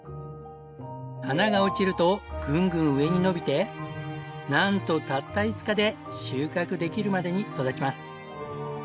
花が落ちるとグングン上に伸びてなんとたった５日で収穫できるまでに育ちます。